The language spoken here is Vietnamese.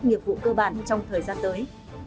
nhiệm vụ cơ bản trong thời gian tới